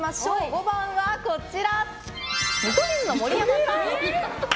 ５番、見取り図の盛山さん。